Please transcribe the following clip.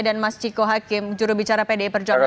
dan mas ciko hakim jurubicara pdi perjalanan